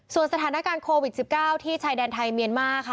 ส่วนสถานการณ์โควิด๑๙ที่ชายแดนไทยเมียนมาร์ค่ะ